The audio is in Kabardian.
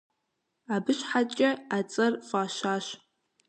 Абы щхьэкӀэ а цӀэр фӀащащ.